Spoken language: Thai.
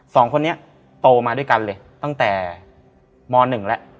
สองคนนี้โตมาด้วยกันเลยตั้งแต่ม๑แล้ว